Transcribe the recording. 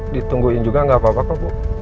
ditungguin juga nggak apa apa kok bu